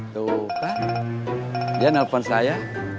tuh kan dia nelfon saya